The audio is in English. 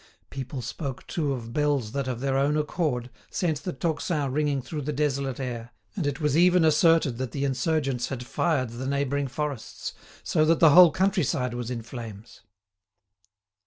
People spoke too of bells that of their own accord, sent the tocsin ringing through the desolate air, and it was even asserted that the insurgents had fired the neighbouring forests, so that the whole country side was in flames.